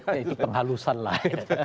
ya itu penghalusan lah